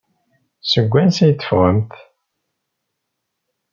Seg wansi ay d-teffɣemt?